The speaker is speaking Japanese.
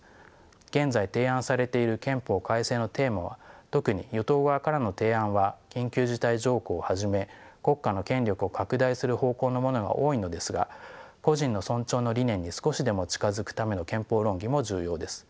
現在提案されている憲法改正のテーマは特に与党側からの提案は緊急事態条項をはじめ国家の権力を拡大する方向のものが多いのですが個人の尊重の理念に少しでも近づくための憲法論議も重要です。